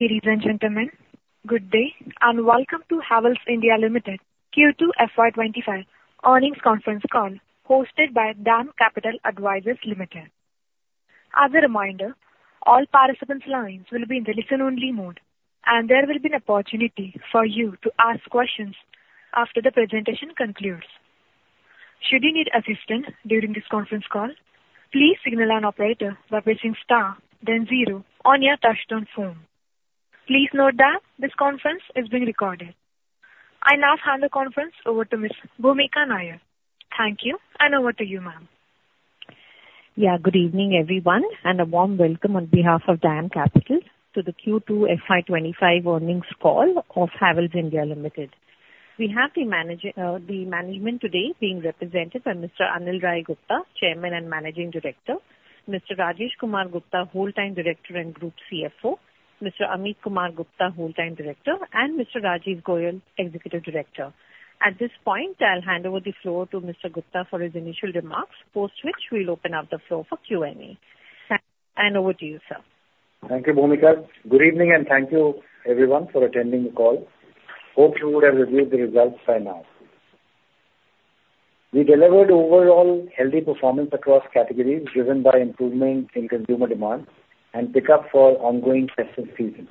Ladies and gentlemen, good day, and welcome to Havells India Limited Q2 FY 2025 earnings conference call, hosted by DAM Capital Advisors Limited. As a reminder, all participants' lines will be in the listen-only mode, and there will be an opportunity for you to ask questions after the presentation concludes. Should you need assistance during this conference call, please signal an operator by pressing star then zero on your touchtone phone. Please note that this conference is being recorded. I now hand the conference over to Ms. Bhoomika Nair. Thank you, and over to you, ma'am. Yeah, good evening, everyone, and a warm welcome on behalf of DAM Capital to the Q2 FY 2025 earnings call of Havells India Limited. We have the management today being represented by Mr. Anil Rai Gupta, Chairman and Managing Director; Mr. Rajesh Kumar Gupta, Whole-Time Director and Group CFO; Mr. Amit Kumar Gupta, Whole-Time Director; and Mr. Rajiv Goyal, Executive Director. At this point, I'll hand over the floor to Mr. Gupta for his initial remarks, post which we'll open up the floor for Q&A. Over to you, sir. Thank you, Bhumika. Good evening, and thank you everyone for attending the call. Hope you would have reviewed the results by now. We delivered overall healthy performance across categories, driven by improvement in consumer demand and pickup for ongoing festival season.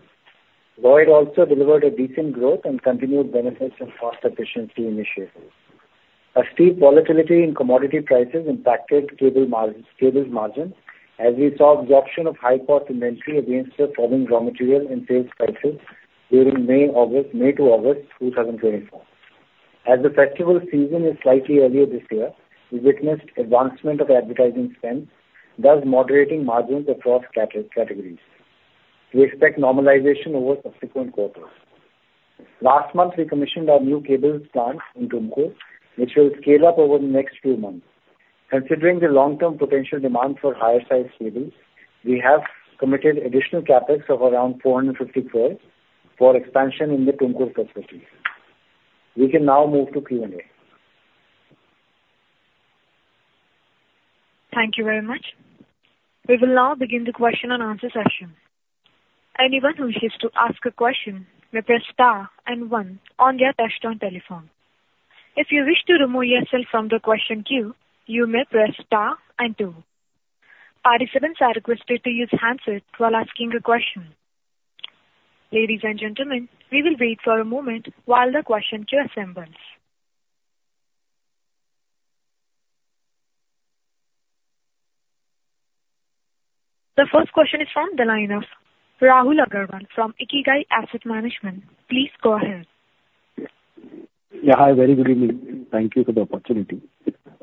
Lloyd also delivered a decent growth and continued benefits from cost efficiency initiatives. A steep volatility in commodity prices impacted cables margin, as we saw absorption of high cost inventory against the falling raw material and sales prices during May to August two thousand twenty-four. As the festival season is slightly earlier this year, we witnessed advancement of advertising spend, thus moderating margins across categories. We expect normalization over subsequent quarters. Last month, we commissioned our new cables plant in Tumkur, which will scale up over the next few months. Considering the long-term potential demand for higher size cables, we have committed additional CapEx of around 450 crores for expansion in the Tumkur facility. We can now move to Q&A. Thank you very much. We will now begin the question and answer session. Anyone who wishes to ask a question may press star and one on their touchtone telephone. If you wish to remove yourself from the question queue, you may press star and two. Participants are requested to use handsets while asking a question. Ladies and gentlemen, we will wait for a moment while the question queue assembles. The first question is from the line of Rahul Aggarwal from Ikigai Asset Management. Please go ahead. Yeah, hi. Very good evening. Thank you for the opportunity.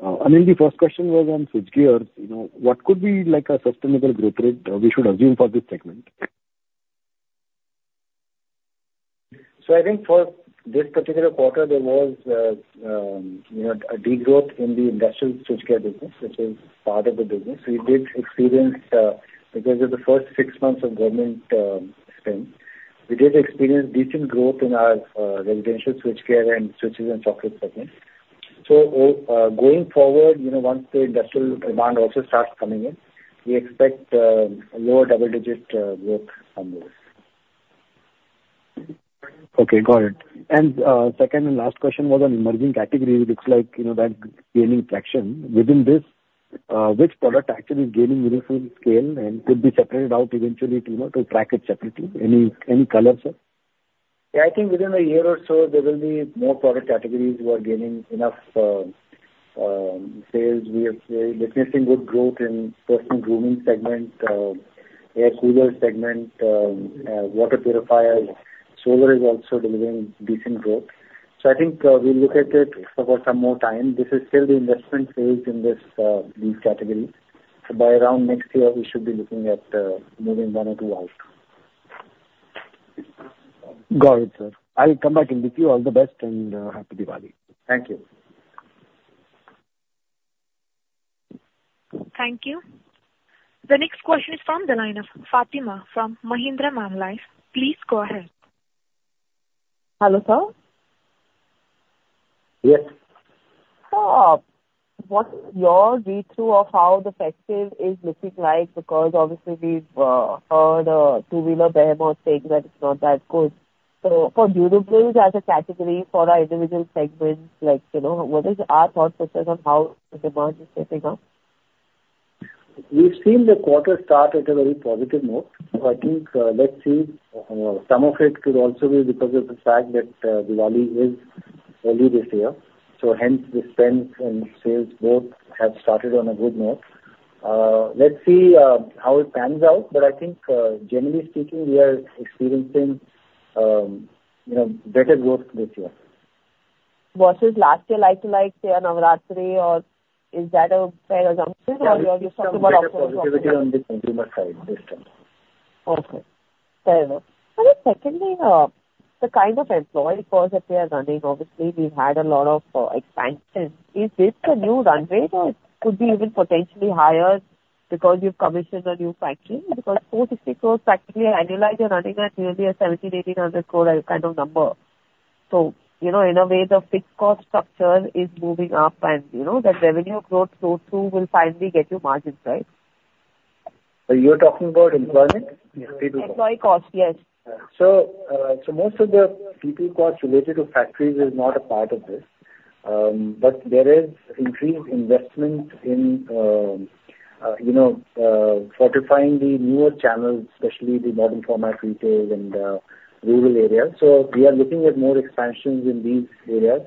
I mean, the first question was on switchgear. You know, what could be like a sustainable growth rate, we should assume for this segment? So I think for this particular quarter, there was, you know, a degrowth in the industrial switchgear business, which is part of the business. We did experience, because of the first six months of government spend, we did experience decent growth in our residential switchgear and switches and sockets segment. So going forward, you know, once the industrial demand also starts coming in, we expect lower double-digit growth onwards. Okay, got it. And, second and last question was on emerging categories. It looks like, you know, that gaining traction. Within this, which product actually is gaining meaningful scale and could be separated out eventually to, you know, to track it separately? Any color, sir? Yeah, I think within a year or so, there will be more product categories who are gaining enough sales. We are witnessing good growth in personal grooming segment, air cooler segment, water purifiers. Solar is also delivering decent growth. So I think, we'll look at it for some more time. This is still the investment phase in this, these categories. So by around next year, we should be looking at, maybe one or two out. Got it, sir. I will come back in with you. All the best, and happy Diwali. Thank you. Thank you. The next question is from the line of Fatema from Mahindra Manulife. Please go ahead. Hello, sir? Yes. So, what is your read-through of how the festive is looking like? Because obviously we've heard two-wheeler behemoth saying that it's not that good. So for durables as a category, for our individual segments, like, you know, what is our thought process on how the demand is shaping up? We've seen the quarter start at a very positive note. So I think, let's see, some of it could also be because of the fact that Diwali is early this year, so hence the spend and sales both have started on a good note. Let's see, how it pans out, but I think, generally speaking, we are experiencing, you know, better growth this year. Versus last year, like-to-like, say, Navratri, or is that a fair assumption, or you're just talking about- Positivity on the consumer side this time. Okay. Fair enough. And then secondly, the kind of employee force that we are running, obviously, we've had a lot of expansion. Is this a new runway or could be even potentially higher because you've commissioned a new factory? Because 4-6 figures, practically, I analyze you're running at nearly a 1,700-1,800 crore kind of number. So, you know, in a way, the fixed cost structure is moving up, and, you know, that revenue growth flow-through will finally get you margins, right? You're talking about employment? Employee cost, yes. So most of the people costs related to factories is not a part of this. But there is increased investment in, you know, fortifying the newer channels, especially the modern format retailers and rural areas. So we are looking at more expansions in these areas.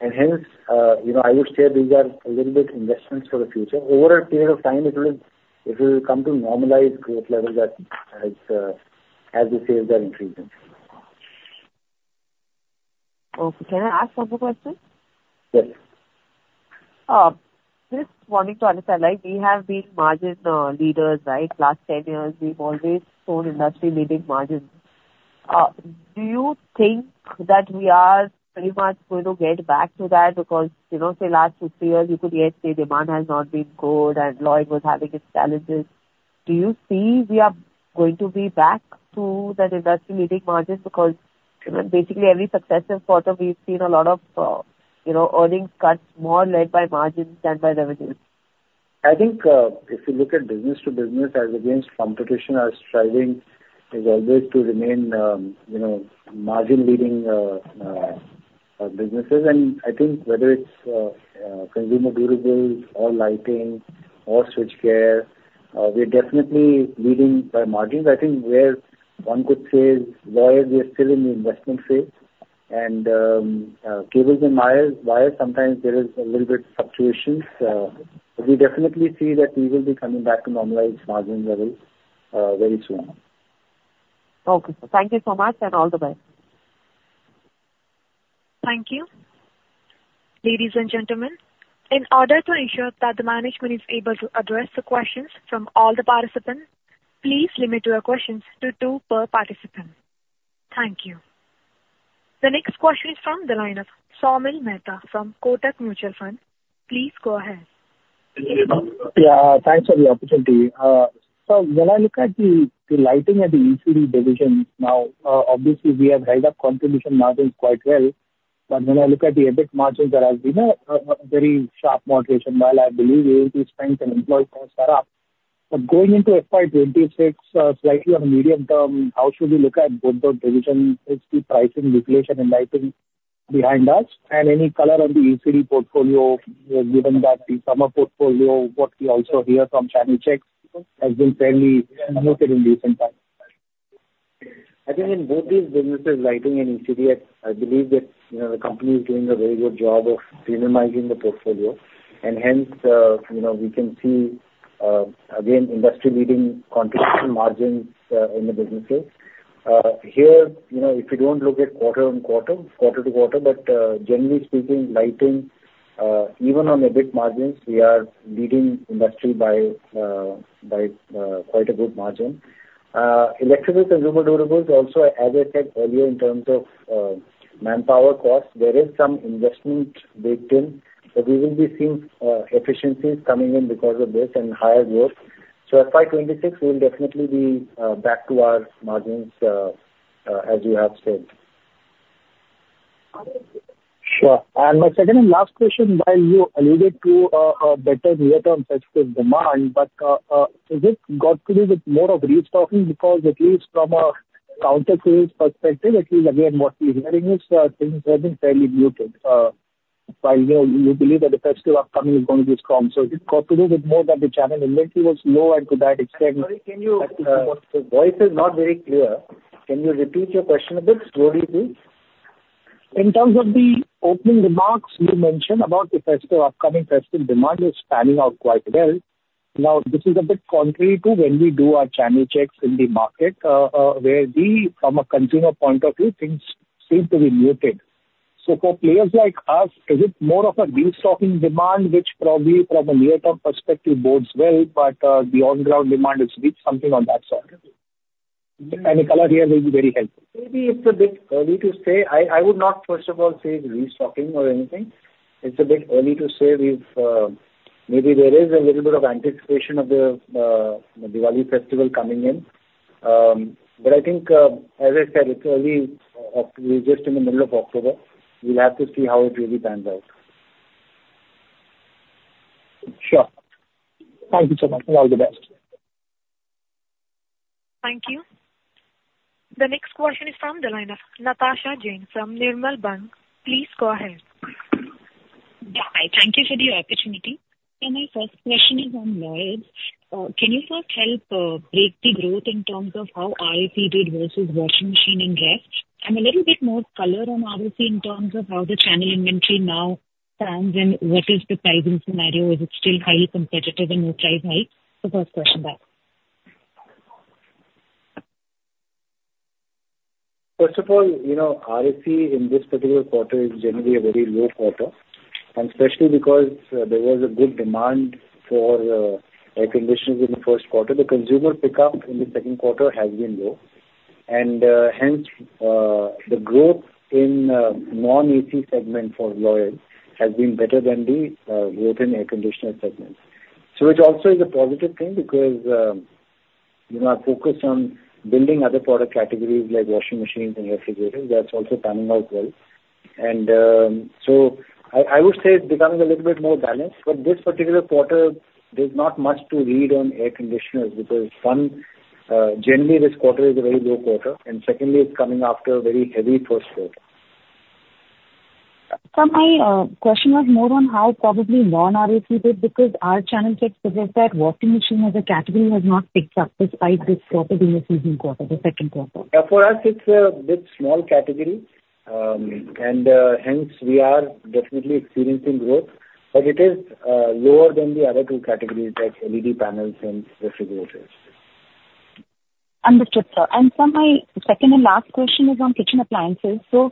And hence, you know, I would say these are a little bit investments for the future. Over a period of time, it will come to normalized growth levels as the sales are increasing. Okay. Can I ask one more question? Yes. This morning to analyze, we have been margin leaders, right? Last ten years, we've always shown industry-leading margins. Do you think that we are pretty much going to get back to that? Because, you know, say, last two, three years, you could, yes, say demand has not been good, and Lloyd was having its challenges. Do you see we are going to be back to that industry-leading margins? Because, you know, basically every successive quarter, we've seen a lot of, you know, earnings cuts, more led by margins than by revenues. I think, if you look at business to business as against competition, are striving as always to remain, you know, margin leading, businesses. And I think whether it's, consumer durables or lighting or switchgear, we're definitely leading by margins. I think where one could say is Lloyd is still in the investment phase, and, cables and wires, sometimes there is a little bit fluctuations. We definitely see that we will be coming back to normalized margin levels, very soon. Okay, thank you so much, and all the best. Thank you. Ladies and gentlemen, in order to ensure that the management is able to address the questions from all the participants, please limit your questions to two per participant. Thank you. The next question is from the line of Saumil Mehta from Kotak Mutual Fund. Please go ahead. Yeah, thanks for the opportunity. So when I look at the lighting and the ECD divisions now, obviously, we have raised up contribution margins quite well. But when I look at the EBIT margins, there has been a very sharp moderation, while I believe ad spend and employee costs are up. But going into FY 2026, slightly on the medium term, how should we look at both those divisions? Is the price realization in lighting behind us? And any color on the ECD portfolio, given that the summer portfolio, what we also hear from channel checks, has been fairly muted in recent times. I think in both these businesses, lighting and ECD, I believe that, you know, the company is doing a very good job of minimizing the portfolio, and hence, you know, we can see, again, industry-leading contribution margins, in the businesses. Here, you know, if you don't look at quarter on quarter, quarter to quarter, but, generally speaking, lighting, even on EBIT margins, we are leading industry by, by, quite a good margin. Electrical consumer durables also, as I said earlier, in terms of, manpower costs, there is some investment built in, but we will be seeing, efficiencies coming in because of this and higher growth. So at FY 2026, we'll definitely be, back to our margins, as you have said. Sure. And my second and last question, while you alluded to a better near-term festival demand, but has it got to do with more of restocking? Because at least from a counter case perspective, at least again, what we're hearing is things have been fairly muted. While, you know, you believe that the festival upcoming is going to be strong, so it got to do with more that the channel inventory was low, and to that extent- Sorry, can you... voice is not very clear. Can you repeat your question a bit slowly, please? In terms of the opening remarks, you mentioned about the festival, upcoming festival demand is panning out quite well. Now, this is a bit contrary to when we do our channel checks in the market, where we, from a consumer point of view, things seem to be muted. So for players like us, is it more of a restocking demand, which probably from a near-term perspective bodes well, but the on-ground demand is weak, something on that side? Any color here will be very helpful. Maybe it's a bit early to say. I would not, first of all, say it's restocking or anything. It's a bit early to say. We've maybe there is a little bit of anticipation of the Diwali festival coming in, but I think, as I said, it's early. We're just in the middle of October. We'll have to see how it really pans out. Sure. Thank you so much, and all the best. Thank you. The next question is from the line of Natasha Jain from Nirmal Bang. Please go ahead. Yeah. Hi, thank you for the opportunity. So my first question is on Lloyd. Can you first help break the growth in terms of how ref did versus washing machine and rest? And a little bit more color on RAC in terms of how the channel inventory now stands, and what is the pricing scenario? Is it still highly competitive and price high? The first question, thanks. First of all, you know, AC in this particular quarter is generally a very low quarter, and especially because there was a good demand for air conditioners in the first quarter. The consumer pickup in the second quarter has been low, and hence the growth in non-AC segment for Lloyd has been better than the growth in air conditioner segment. So which also is a positive thing, because... You know, our focus on building other product categories like washing machines and refrigerators, that's also panning out well. And so I, I would say it's becoming a little bit more balanced, but this particular quarter, there's not much to read on air conditioners, because one, generally, this quarter is a very low quarter, and secondly, it's coming after a very heavy first quarter. Sir, my question was more on how probably non-RAC did, because our channel check suggests that washing machine as a category has not picked up despite this quarter being a seasonal quarter, the second quarter. For us, it's a bit small category, hence we are definitely experiencing growth, but it is lower than the other two categories, like LED panels and refrigerators. Understood, sir. And sir, my second and last question is on kitchen appliances. So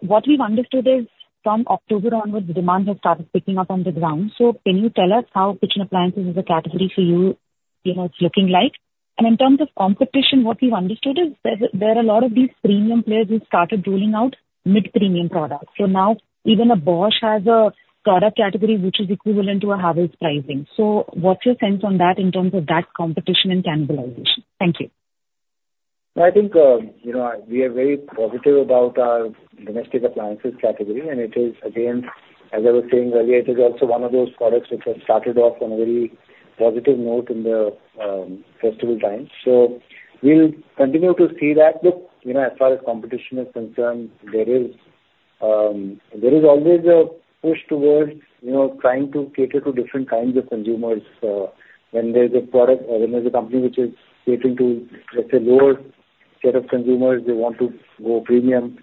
what we've understood is, from October onwards, the demand has started picking up on the ground. So can you tell us how kitchen appliances as a category for you, you know, it's looking like? And in terms of competition, what we've understood is there are a lot of these premium players who started rolling out mid-premium products. So now even a Bosch has a product category, which is equivalent to a Havells pricing. So what's your sense on that in terms of that competition and cannibalization? Thank you. I think, you know, we are very positive about our domestic appliances category, and it is, again, as I was saying earlier, it is also one of those products which have started off on a very positive note in the festival time. So we'll continue to see that. But, you know, as far as competition is concerned, there is always a push towards, you know, trying to cater to different kinds of consumers. When there's a product or when there's a company which is catering to, let's say, lower set of consumers, they want to go premium.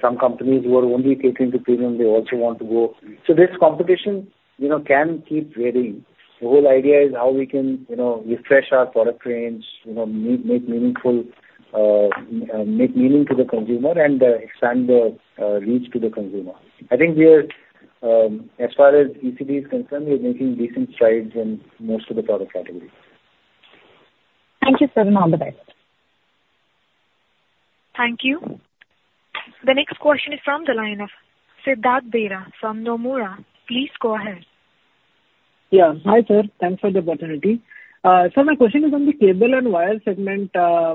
Some companies who are only catering to premium, they also want to go. So this competition, you know, can keep varying. The whole idea is how we can, you know, refresh our product range, you know, make meaningful, make meaning to the consumer and, expand the, reach to the consumer. I think we are, as far as ECD is concerned, we are making decent strides in most of the product categories. Thank you, sir, and all the best. Thank you. The next question is from the line of Siddhartha Bera from Nomura. Please go ahead. Yeah. Hi, sir. Thanks for the opportunity. Sir, my question is on the cable and wire segment.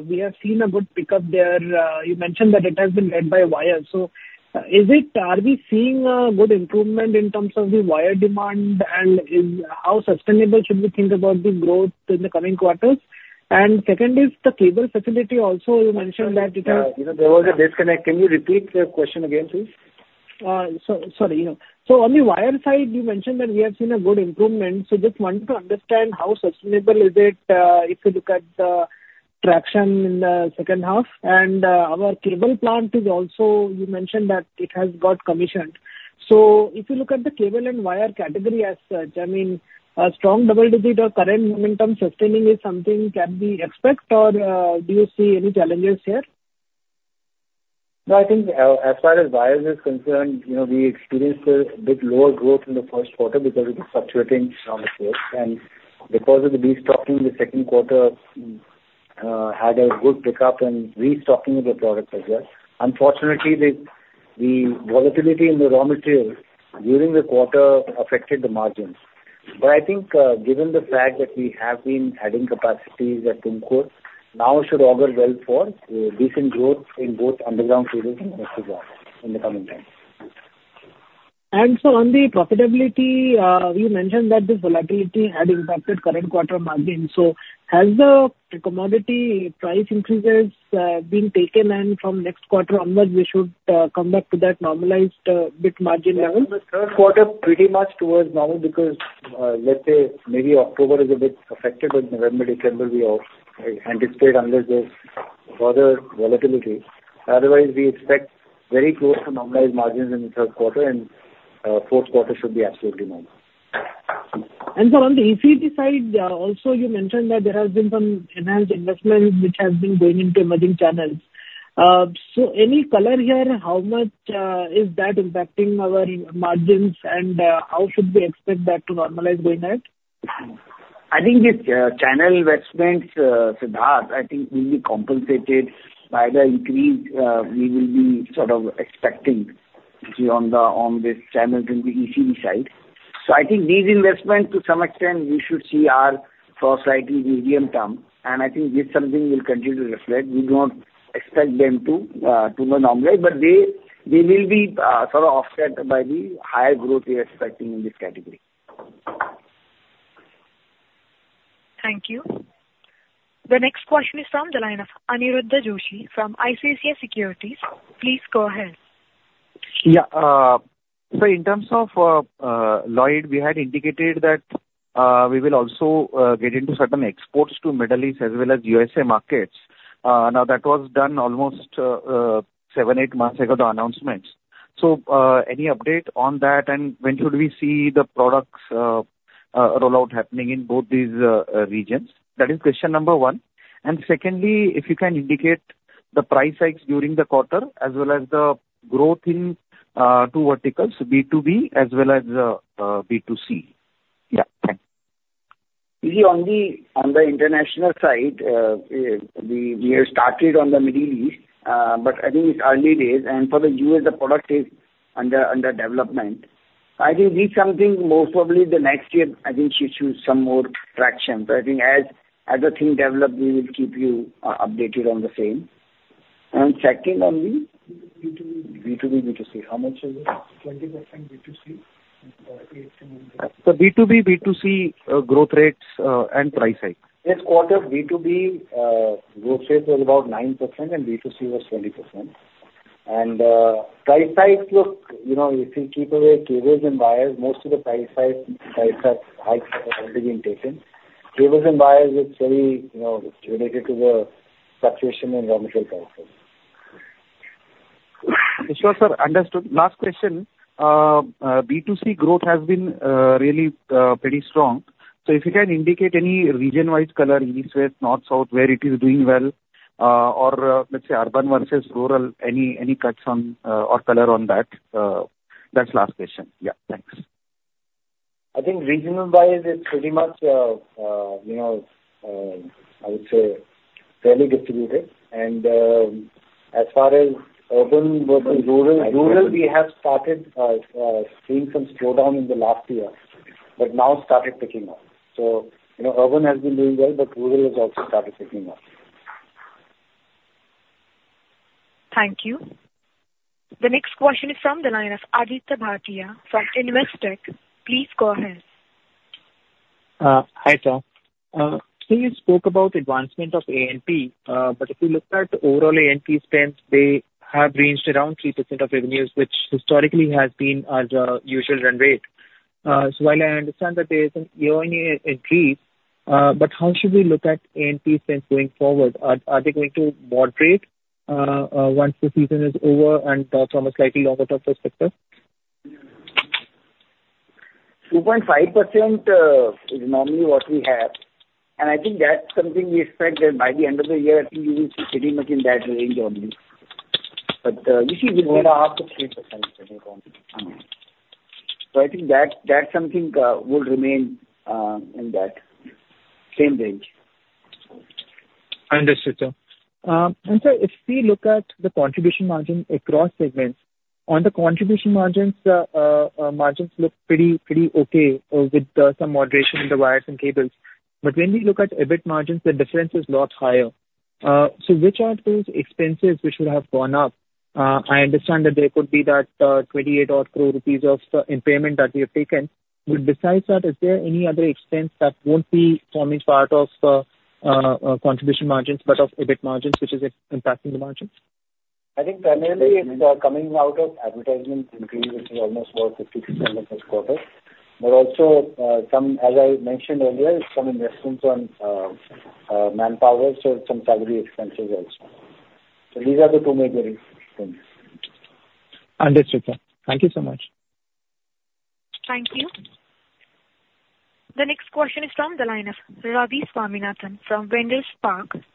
We have seen a good pickup there. You mentioned that it has been led by wire. So, are we seeing a good improvement in terms of the wire demand, and how sustainable should we think about the growth in the coming quarters? And second is the cable facility also you mentioned that it has- Yeah, you know, there was a disconnect. Can you repeat the question again, please? So sorry. So on the wire side, you mentioned that we have seen a good improvement. So just wanted to understand how sustainable is it, if you look at the traction in the second half, and our cable plant is also, you mentioned that it has got commissioned. So if you look at the cable and wire category as such, I mean, a strong double digit or current momentum sustaining is something can we expect, or do you see any challenges here? No, I think as far as wires is concerned, you know, we experienced a bit lower growth in the first quarter because it was fluctuating raw materials. And because of the destocking in the second quarter, had a good pickup and restocking of the products as well. Unfortunately, the volatility in the raw materials during the quarter affected the margins. But I think, given the fact that we have been adding capacities at Tumkur, now it should augur well for decent growth in both underground cables and in the coming time. On the profitability, you mentioned that the volatility had impacted current quarter margins. Has the commodity price increases been taken, and from next quarter onwards, we should come back to that normalized EBIT margin level? The third quarter pretty much towards normal, because, let's say maybe October is a bit affected, but November, December, we anticipate unless there's further volatility. Otherwise, we expect very close to normalized margins in the third quarter, and, fourth quarter should be absolutely normal. And so on the ECD side, also, you mentioned that there has been some enhanced investment which has been going into emerging channels. So any color here, how much is that impacting our margins, and how should we expect that to normalize going ahead? I think this channel investments, Siddharth, I think will be compensated by the increase we will be sort of expecting to see on these channels in the ECD side. So I think these investments, to some extent, we should see are for slightly medium term, and I think this is something we'll continue to reflect. We do not expect them to normalize, but they will be sort of offset by the higher growth we are expecting in this category. Thank you. The next question is from the line of Aniruddha Joshi from ICICI Securities. Please go ahead. Yeah, so in terms of Lloyd, we had indicated that we will also get into certain exports to Middle East as well as USA markets. Now, that was done almost seven, eight months ago, the announcements. So, any update on that, and when should we see the products rollout happening in both these regions? That is question number one. And secondly, if you can indicate the price hikes during the quarter, as well as the growth in two verticals, B2B as well as B2C. Yeah, thanks. You see, on the international side, we have started on the Middle East, but I think it's early days. And for the US, the product is under development.... I think this something more probably the next year, I think should show some more traction. But I think as the thing develop, we will keep you updated on the same. And second on the? B2B. B2B, B2C. How much is it? 20% B2C. So B2B, B2C, growth rates, and price hike. This quarter, B2B growth rate was about 9%, and B2C was 20%, and price hike, look, you know, if you keep away cables and wires, most of the price hikes have already been taken. Cables and wires, it's very, you know, it's related to the fluctuation in raw material prices. Sure, sir. Understood. Last question. B2C growth has been really pretty strong. So if you can indicate any region-wide color, east, west, north, south, where it is doing well, or let's say, urban versus rural, any cuts on, or color on that? That's last question. Yeah. Thanks. I think regional-wise, it's pretty much, you know, I would say fairly distributed, and as far as urban versus rural, we have started seeing some slowdown in the last year, but now started picking up, so you know, urban has been doing well, but rural has also started picking up. Thank you. The next question is from the line of Aditya Bhartia from Investec. Please go ahead. Hi, sir. So you spoke about advancement of A&P, but if you look at the overall A&P spends, they have ranged around 3% of revenues, which historically has been as usual run rate. So while I understand that there is a year-on-year increase, but how should we look at A&P spends going forward? Are they going to moderate once the season is over and from a slightly longer-term perspective? 2.5% is normally what we have, and I think that's something we expect that by the end of the year. I think you will see pretty much in that range only. But, you see- 1.5%-3%. So I think that that's something will remain in that same range. Understood, sir. And sir, if we look at the contribution margin across segments, on the contribution margins, margins look pretty okay, with some moderation in the wires and cables. But when we look at EBIT margins, the difference is a lot higher. So which are those expenses which should have gone up? I understand that there could be that 28 odd crore rupees of impairment that we have taken. But besides that, is there any other expense that won't be forming part of contribution margins, but of EBIT margins, which is impacting the margins? I think primarily it's coming out of advertisement increase, which is almost about 50% in this quarter. But also, some, as I mentioned earlier, some investments on manpower, so some salary expenses also. So these are the two major reasons. Understood, sir. Thank you so much. Thank you. The next question is from the line of Ravi Swaminathan from Spark Capital Advisors.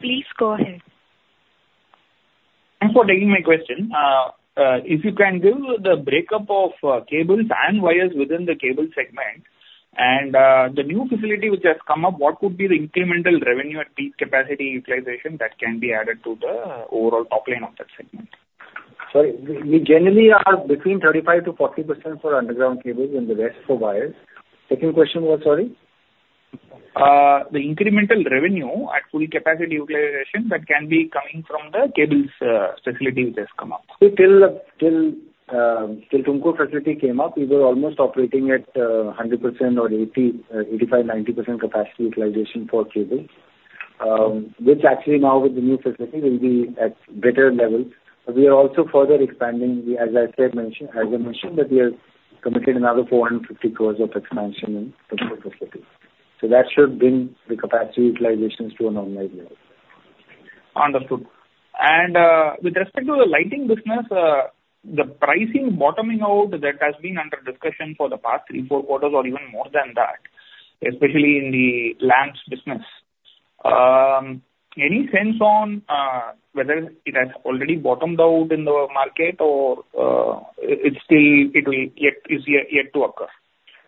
Please go ahead. Thanks for taking my question. If you can give the breakup of cables and wires within the cable segment, and the new facility which has come up, what would be the incremental revenue at peak capacity utilization that can be added to the overall top line of that segment? Sorry, we generally are between 35%-40% for underground cables and the rest for wires. Second question was, sorry? The incremental revenue at full capacity utilization that can be coming from the cables facility which has come up. So till Tumkur facility came up, we were almost operating at 100% or 85%-90% capacity utilization for cables. Which actually now with the new facility will be at better levels. But we are also further expanding, as I mentioned, that we have committed another 450 crores of expansion in Tumkur facility. So that should bring the capacity utilizations to a normalized level. Understood. With respect to the lighting business, the pricing bottoming out that has been under discussion for the past three, four quarters or even more than that, especially in the lamps business. Any sense on whether it has already bottomed out in the market or if it's still yet to occur?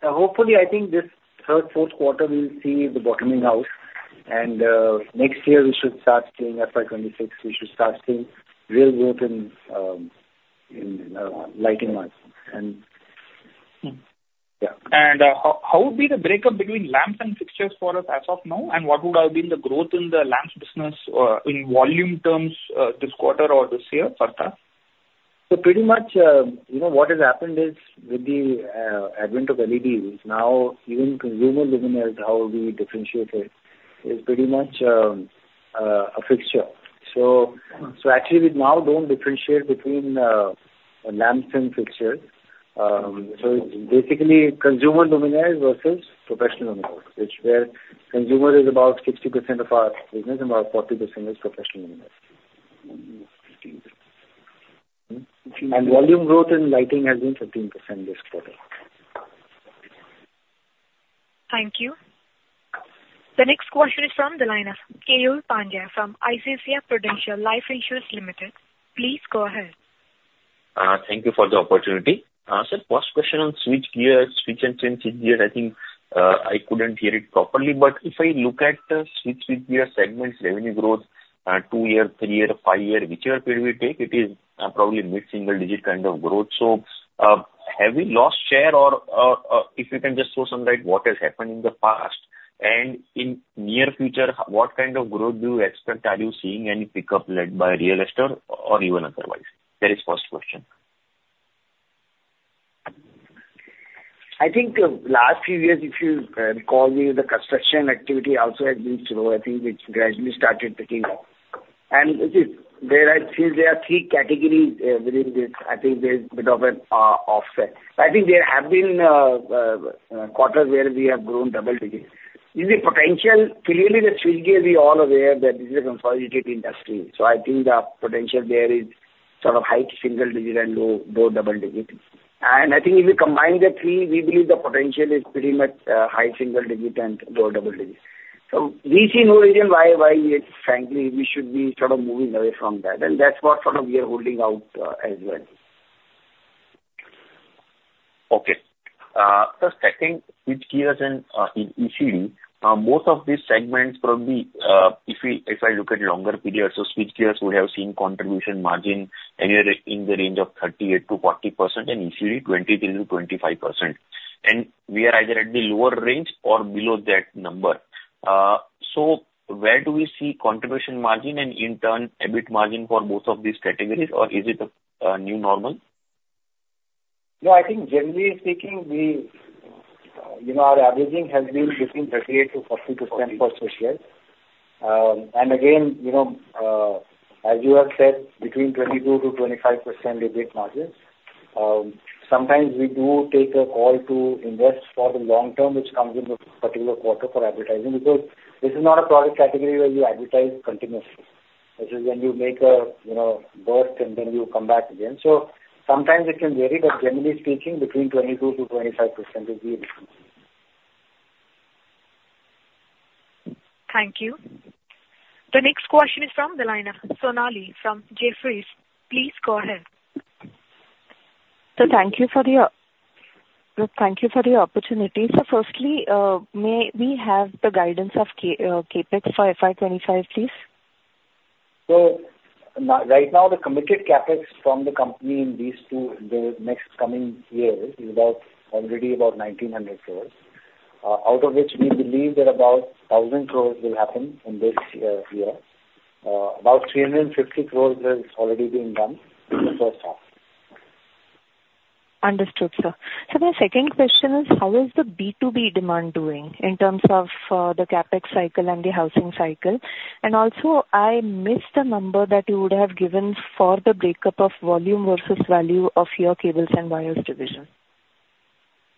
Hopefully, I think this third, fourth quarter, we'll see the bottoming out, and next year we should start seeing FY 2026. We should start seeing real growth in lighting markets. Yeah, and how would be the breakup between lamps and fixtures for us as of now? What would have been the growth in the lamps business in volume terms this quarter or this year for that? So pretty much, you know, what has happened is, with the advent of LEDs, now even consumer luminaires, how we differentiate it, is pretty much a fixture. So actually we now don't differentiate between lamps and fixtures. So it's basically consumer luminaires versus professional luminaires, where consumer is about 60% of our business and about 40% is professional luminaires. Hmm. Volume growth in lighting has been 15% this quarter. Thank you. The next question is from the line of Keyur Pandya from ICICI Prudential Life Insurance Limited. Please go ahead. Thank you for the opportunity. Sir, first question on switchgear, switch and change gear. I couldn't hear it properly, but if I look at the switchgear segment's revenue growth, two year, three year, five year, whichever period we take, it is probably mid-single digit kind of growth. So, have we lost share or, if you can just throw some light what has happened in the past, and in near future, what kind of growth do you expect? Are you seeing any pickup led by real estate or even otherwise? That is first question. I think the last few years, if you recall, the construction activity also has been slow. I think it gradually started picking up, and it is. There are, I feel, three categories within this. I think there's a bit of an offset. I think there have been quarters where we have grown double digits. Is the potential, clearly, the switchgear, we all are aware that this is a consolidated industry, so I think the potential there is sort of high single digit and low double digit, and I think if you combine the three, we believe the potential is pretty much high single digit and low double digit, so we see no reason why frankly we should be sort of moving away from that, and that's what sort of we are holding out as well. Okay. The second, switchgears and ECD, both of these segments probably, if I look at longer periods, so switchgears would have seen contribution margin anywhere in the range of 38%-40% and ECD, 23%-25%. And we are either at the lower range or below that number. So where do we see contribution margin and in turn, EBIT margin for both of these categories, or is it a new normal? No, I think generally speaking, we, you know, our advertising has been between 38%-42% for switchgear. And again, you know, as you have said, between 22%-25% EBIT margins. Sometimes we do take a call to invest for the long term, which comes in a particular quarter for advertising, because this is not a product category where you advertise continuously. This is when you make a, you know, burst and then you come back again. So sometimes it can vary, but generally speaking, between 22%-25% will be it. Thank you. The next question is from the line of Sonali from Jefferies. Please go ahead. So thank you for the opportunity. So firstly, may we have the guidance of CapEx for FY 2025, please? Right now, the committed CapEx from the company in these two, the next coming years, is already about 1,900 crores. Out of which we believe that about 1,000 crores will happen in this year. About 350 crores has already been done in the first half. Understood, sir. So my second question is: How is the B2B demand doing in terms of the CapEx cycle and the housing cycle? And also, I missed the number that you would have given for the breakup of volume versus value of your cables and wires division.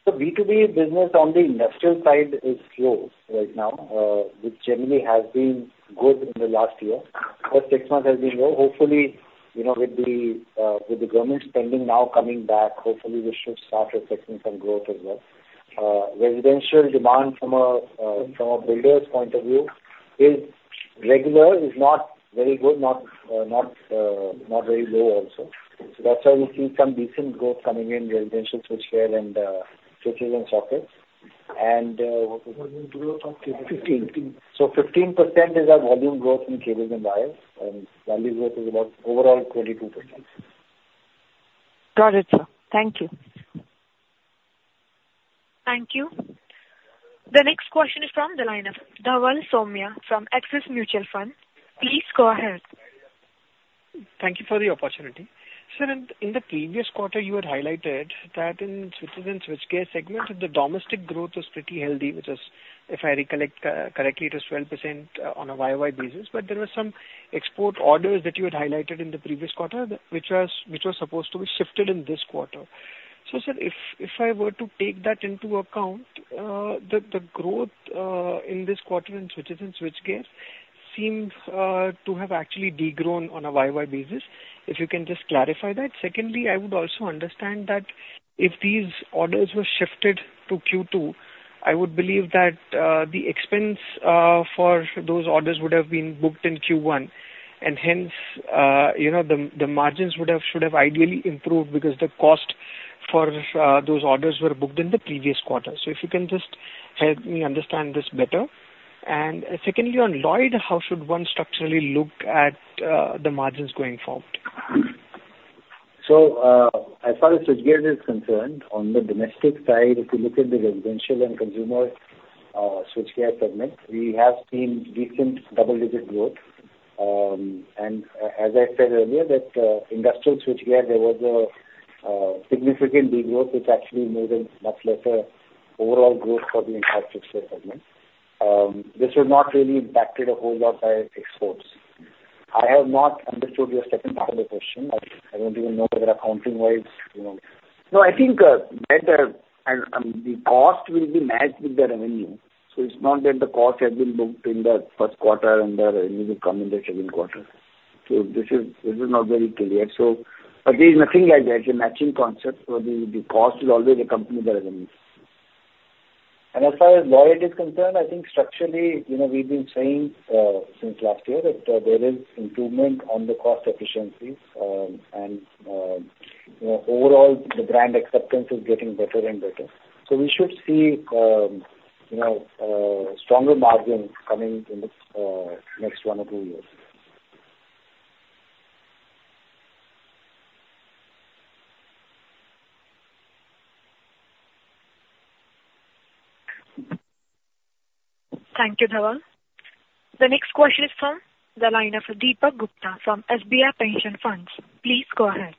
The B2B business on the industrial side is slow right now, which generally has been good in the last year. The first six months has been low. Hopefully, you know, with the government spending now coming back, hopefully we should start reflecting some growth as well. Residential demand from a builder's point of view is regular, is not very good, not very low also. So that's why we see some decent growth coming in residential switchgear and switches and sockets. And, what was the- Fifteen. 15% is our volume growth in cables and wires, and value growth is about overall 22%. Got it, sir. Thank you. Thank you. The next question is from the line of Dhaval Somaiya from Axis Mutual Fund. Please go ahead. Thank you for the opportunity. Sir, in the previous quarter, you had highlighted that in switches and switchgear segment, the domestic growth was pretty healthy, which is, if I recollect correctly, it is 12% on a YoY basis. But there were some export orders that you had highlighted in the previous quarter, which were supposed to be shifted in this quarter. So, sir, if I were to take that into account, the growth in this quarter in switches and switchgear seems to have actually de-grown on a YoY basis. If you can just clarify that. Secondly, I would also understand that if these orders were shifted to Q2, I would believe that the expense for those orders would have been booked in Q1, and hence, you know, the margins would have should have ideally improved because the cost for those orders were booked in the previous quarter. So if you can just help me understand this better. And secondly, on Lloyd, how should one structurally look at the margins going forward? So, as far as switchgear is concerned, on the domestic side, if you look at the residential and consumer, switchgear segment, we have seen decent double-digit growth. And as I said earlier, that, industrial switchgear, there was a significant degrowth, which actually made a much lesser overall growth for the entire switchgear segment. This was not really impacted a whole lot by exports. I have not understood your second part of the question. I, I don't even know whether accounting-wise, you know... No, I think, that, the cost will be matched with the revenue. So it's not that the cost has been booked in the first quarter and the revenue will come in the second quarter. So this is, this is not very clear. So there is nothing like that. It's a matching concept. So the cost will always accompany the revenues. And as far as Lloyd is concerned, I think structurally, you know, we've been saying since last year that there is improvement on the cost efficiencies, and you know, overall, the brand acceptance is getting better and better. So we should see you know, stronger margins coming in the next one or two years. Thank you, Dhaval. The next question is from the line of Deepak Gupta from SBI Pension Funds. Please go ahead.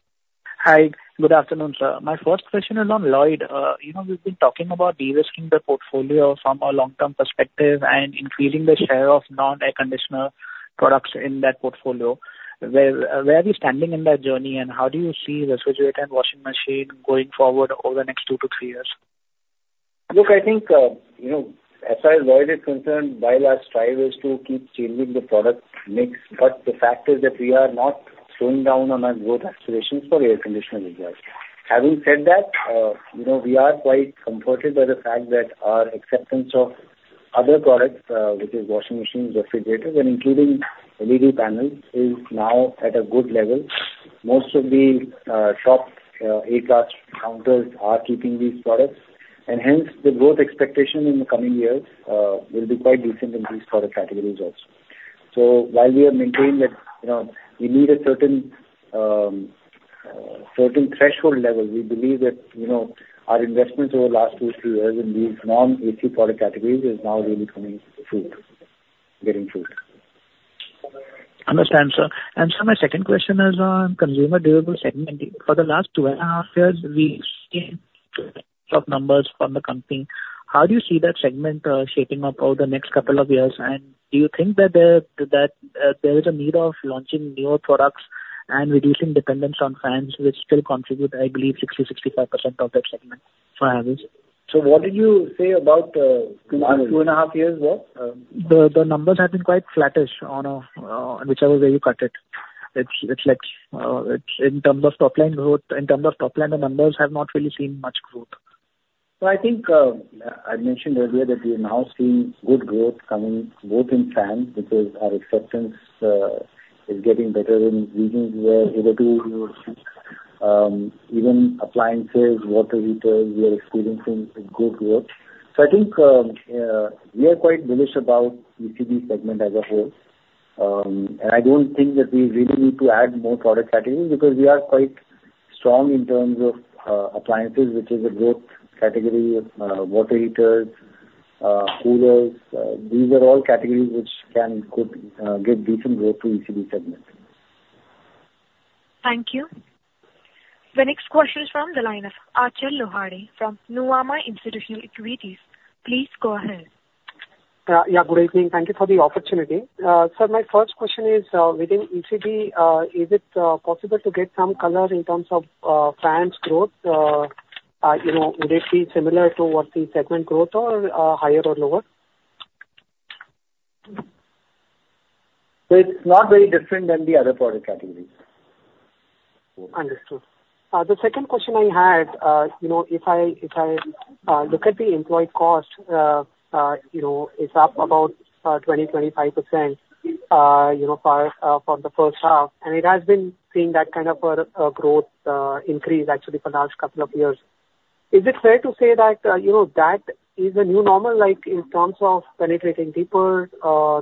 Hi. Good afternoon, sir. My first question is on Lloyd. You know, we've been talking about de-risking the portfolio from a long-term perspective and increasing the share of non-air conditioner products in that portfolio. Where are we standing in that journey, and how do you see refrigerator and washing machine going forward over the next two to three years? Look, I think, you know, as far as Lloyd is concerned, while our strive is to keep changing the product mix, but the fact is that we are not slowing down on our growth aspirations for air conditioner as well. Having said that, you know, we are quite comforted by the fact that our acceptance of other products, which is washing machines, refrigerators, and including LED panels, is now at a good level. Most of the top A-class counters are keeping these products, and hence, the growth expectation in the coming years will be quite decent in these product categories also. So while we are maintaining that, you know, we need a certain threshold level, we believe that, you know, our investments over the last two, three years in these non-AC product categories is now really coming to fruit, bearing fruit. Understand, sir. And sir, my second question is on consumer durable segment. For the last two and a half years, we've seen top numbers from the company. How do you see that segment shaping up over the next couple of years? And do you think that there is a need of launching newer products and reducing dependence on fans, which still contribute, I believe, 65% of that segment on average? So what did you say about two, two and a half years ago? The numbers have been quite flattish on a, whichever way you cut it. It's like, it's in terms of top line growth, in terms of top line, the numbers have not really seen much growth. So, I think I mentioned earlier that we are now seeing good growth coming both in fans, because our acceptance is getting better in regions where, even appliances, water heaters, we are experiencing a good growth. So, I think we are quite bullish about ECD segment as a whole. And, I don't think that we really need to add more product categories, because we are quite strong in terms of appliances, which is a growth category, water heaters, coolers. These are all categories which could give decent growth to ECD segment. Thank you. The next question is from the line of Achal Lohani from Nuvama Institutional Equities. Please go ahead. Yeah, good evening. Thank you for the opportunity. Sir, my first question is, within ECD, is it possible to get some color in terms of fans growth? You know, would it be similar to what the segment growth or higher or lower? So it's not very different than the other product categories. Understood. The second question I had, you know, if I, if I look at the employee cost, you know, it's up about 20%-25%, you know, far from the first half, and it has been seeing that kind of growth, increase actually for the last couple of years. Is it fair to say that, you know, that is a new normal, like, in terms of penetrating people,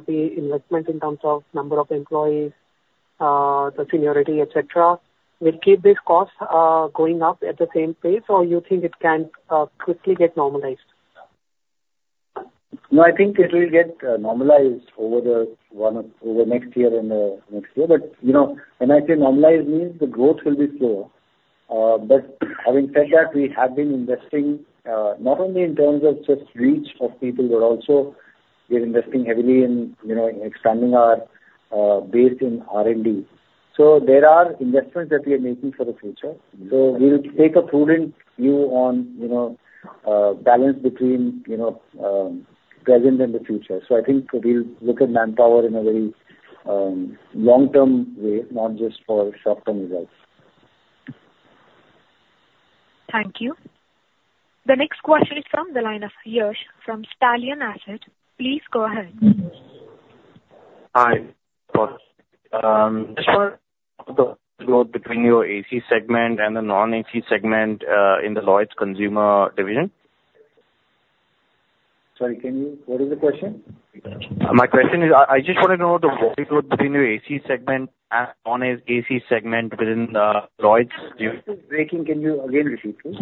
the investment in terms of number of employees, the seniority, et cetera, will keep this cost going up at the same pace, or you think it can quickly get normalized? No, I think it will get normalized over next year and the next year. But, you know, when I say normalized, means the growth will be slower. But having said that, we have been investing, not only in terms of just reach of people, but also we are investing heavily in, you know, expanding our base in R&D. So there are investments that we are making for the future. So we will take a prudent view on, you know, balance between, you know, present and the future. So I think we look at manpower in a very long-term way, not just for short-term results. Thank you. The next question is from the line of Yash from Stallion Assets. Please go ahead. Hi. The growth between your AC segment and the non-AC segment in the Lloyd's consumer division? Sorry, can you... What is the question? My question is, I just want to know the volume growth between your AC segment and non-AC segment within the Lloyd's division? Breaking. Can you again repeat, please?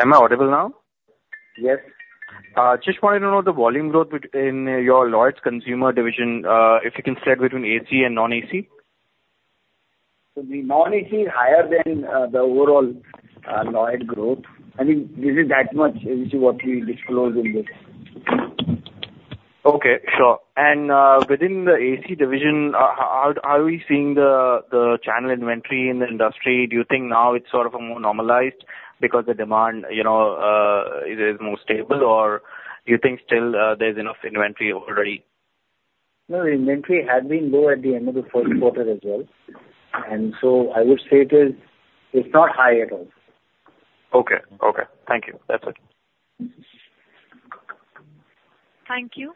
Am I audible now? Yes. Just wanted to know the volume growth between your Lloyd's consumer division, if you can share between AC and non-AC? So the non-AC is higher than the overall Lloyd growth. I think this is that much into what we disclosed in this. Okay, sure. And within the AC division, are we seeing the channel inventory in the industry? Do you think now it's sort of more normalized because the demand, you know, it is more stable, or you think still, there's enough inventory already? No, inventory had been low at the end of the first quarter as well, and so I would say it is, it's not high at all. Okay. Okay. Thank you. That's it.... Thank you.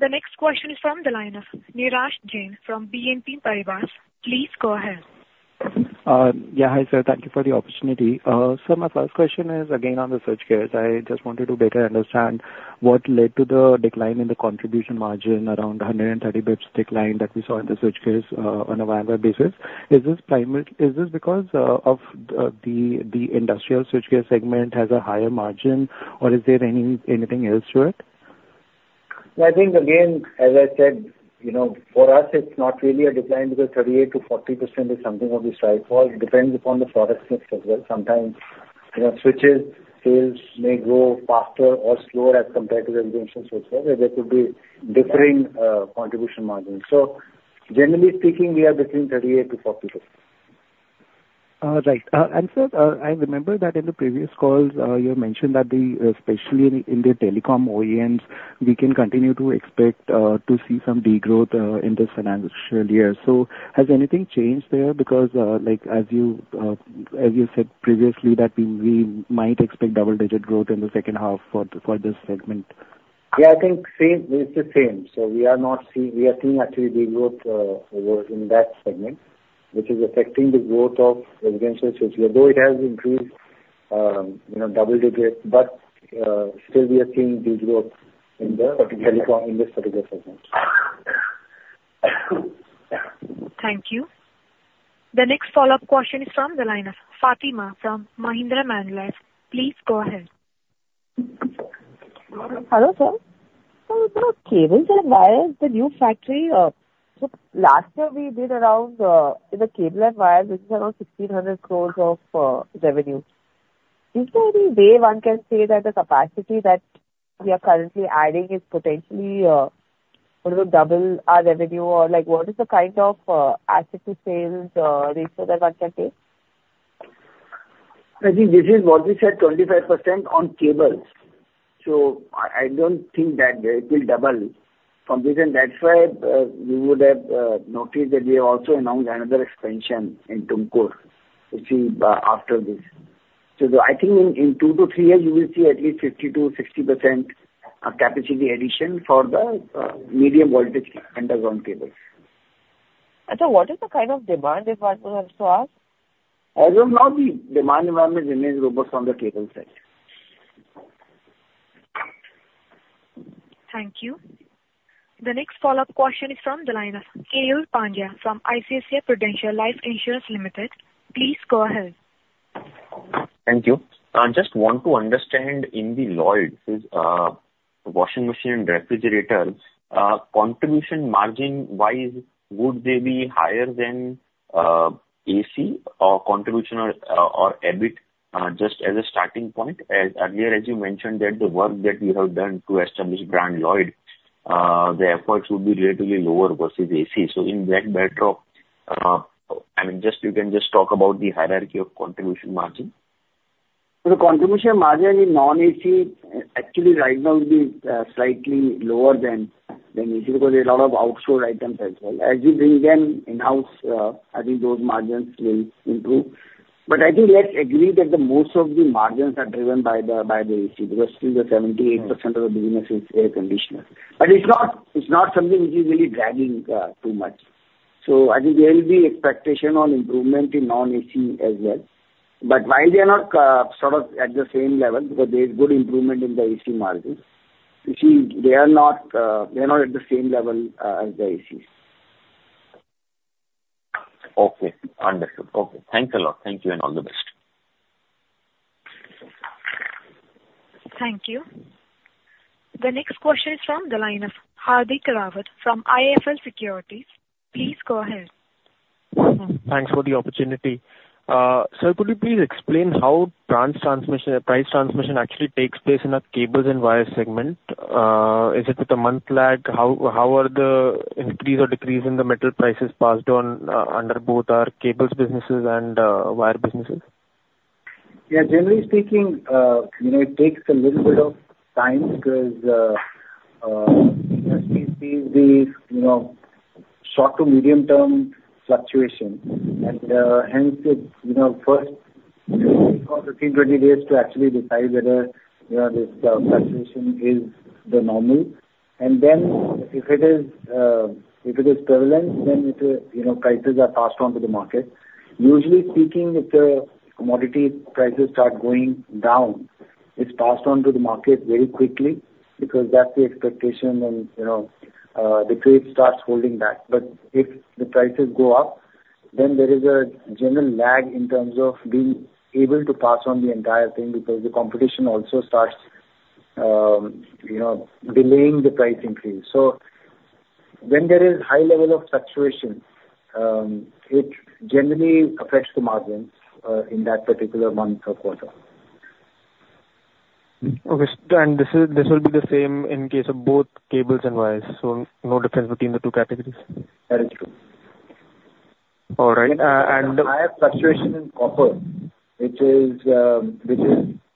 The next question is from the line of Neeraj Jain from BNP Paribas. Please go ahead. Yeah. Hi, sir. Thank you for the opportunity. My first question is, again, on the switchgears. I just wanted to better understand what led to the decline in the contribution margin around 130 basis points that we saw in the switchgears on a YoY basis. Is this because of the industrial switchgear segment has a higher margin, or is there anything else to it? I think, again, as I said, you know, for us it's not really a decline, because 38%-40% is something what we strive for. It depends upon the product mix as well. Sometimes, you know, switches sales may grow faster or slower as compared to the residential, so there could be differing contribution margins. So generally speaking, we are between 38%-40%. Right. And, sir, I remember that in the previous calls, you had mentioned that the, especially in the telecom OEMs, we can continue to expect to see some degrowth in this financial year. So has anything changed there? Because, like, as you said previously, that we might expect double-digit growth in the second half for this segment. Yeah, I think same. It's the same. So we are not seeing... We are seeing actually degrowth in that segment, which is affecting the growth of residential switchgear. Though it has improved, you know, double digits, but still we are seeing degrowth in the- Particular. in the particular segment. Thank you. The next follow-up question is from the line of Fatima from Mahindra Manulife. Please go ahead. Hello, sir, so you know, cables and wires, the new factory, so last year we did around in the cable and wires, which is around 1,600 crores of revenue. Is there any way one can say that the capacity that we are currently adding is potentially in order to double our revenue? Or like, what is the kind of asset to sales ratio that one can take? I think this is what we said, 25% on cables. So I don't think that it will double from this. And that's why you would have noticed that we have also announced another expansion in Tumkur, which is after this. So I think in two to three years, you will see at least 50%-60% capacity addition for the medium voltage underground cables. And so what is the kind of demand, if I could also ask? As of now, the demand environment remains robust on the cable side. Thank you. The next follow-up question is from the line of Keyur Pandya from ICICI Prudential Life Insurance Limited. Please go ahead. Thank you. I just want to understand, in the Lloyd washing machine and refrigerators, contribution margin-wise, would they be higher than AC or EBIT, just as a starting point? As earlier, as you mentioned, that the work that you have done to establish brand Lloyd, the efforts would be relatively lower versus AC. So in that backdrop, I mean, you can just talk about the hierarchy of contribution margin. So the contribution margin in non-AC, actually right now will be, slightly lower than, than AC, because there are a lot of outsourced items as well. As you bring them in-house, I think those margins will improve. But I think let's agree that the most of the margins are driven by the, by the AC, because still the 78%- Mm-hmm. Of the business is air conditioner. But it's not, it's not something which is really dragging, too much. So I think there will be expectation on improvement in non-AC as well. But while they are not, sort of at the same level, because there is good improvement in the AC margins, you see, they are not, they are not at the same level, as the ACs. Okay, understood. Okay. Thanks a lot. Thank you, and all the best. Thank you. The next question is from the line of Hardik Rawat from IIFL Securities. Please go ahead. Thanks for the opportunity. Sir, could you please explain how price transmission actually takes place in a cables and wires segment? Is it with a month lag? How are the increase or decrease in the metal prices passed on under both our cables businesses and wire businesses? Yeah, generally speaking, you know, it takes a little bit of time because we see the, you know, short to medium term fluctuation. And hence it, you know, first, it takes us 15, 20 days to actually decide whether, you know, this fluctuation is the normal. And then if it is, if it is prevalent, then the, you know, prices are passed on to the market. Usually speaking, if the commodity prices start going down, it's passed on to the market very quickly, because that's the expectation and, you know, the trade starts holding back. But if the prices go up, then there is a general lag in terms of being able to pass on the entire thing, because the competition also starts, you know, delaying the price increase. So when there is high level of fluctuation, it generally affects the margins in that particular month or quarter. Okay. And this is, this will be the same in case of both cables and wires, so no difference between the two categories? That is true. All right. I have fluctuation in copper, which is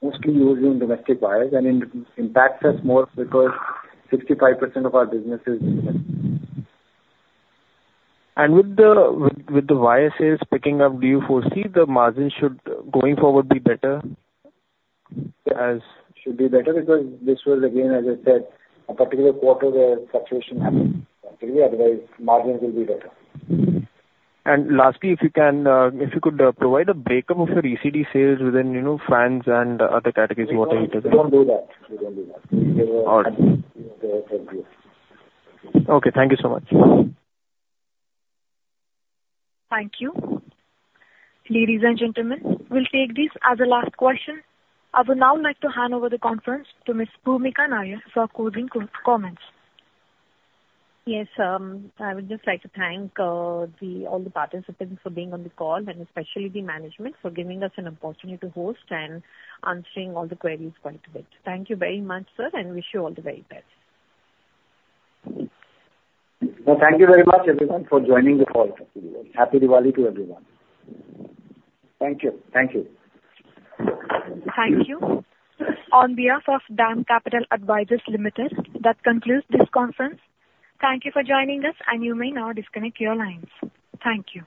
mostly used in domestic wires, and it impacts us more because 65% of our business is domestic. With the wire sales picking up, do you foresee the margins should, going forward, be better as- Should be better, because this was, again, as I said, a particular quarter where fluctuation happened. Actually, otherwise, margins will be better. Lastly, if you can, if you could, provide a break-up of your ECD sales within, you know, fans and other categories, water heater? We don't do that. We don't do that. All right. Thank you. Okay, thank you so much. Thank you. Ladies and gentlemen, we'll take this as a last question. I would now like to hand over the conference to Miss Bhoomika Nair for closing comments. Yes. I would just like to thank all the participants for being on the call, and especially the management, for giving us an opportunity to host and answering all the queries quite a bit. Thank you very much, sir, and wish you all the very best. Thank you very much, everyone, for joining the call. Happy Diwali to everyone. Thank you. Thank you. Thank you. On behalf of DAM Capital Advisors Limited, that concludes this conference. Thank you for joining us, and you may now disconnect your lines. Thank you.